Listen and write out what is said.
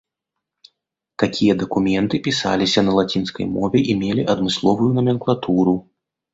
Такія дакументы пісаліся на лацінскай мове і мелі адмысловую наменклатуру.